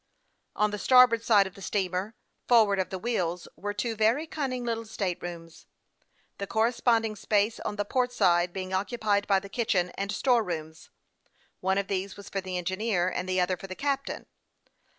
On the starboard side of the steamer, forward of the wheels, were two very cunning little state rooms, the corresponding space on the port side being occupied by the kitchen and store rooms. One of these was for the engineer, and the other for the captain.